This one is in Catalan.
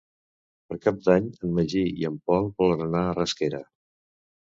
Per Cap d'Any en Magí i en Pol volen anar a Rasquera.